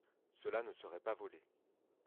Cela ne serait pas volé.